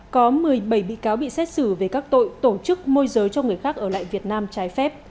có một mươi bảy bị cáo bị xét xử về các tội tổ chức môi giới cho người khác ở lại việt nam trái phép